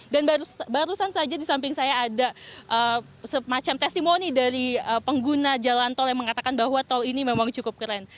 dan barusan saja di samping saya ada semacam testimoni dari pengguna jalan tol yang mengatakan bahwa tol ini memang cukup keren